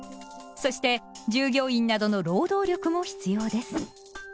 そして従業員などの労働力も必要です。